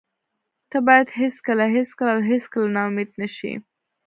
ته باید هېڅکله، هېڅکله او هېڅکله نا امید نشې.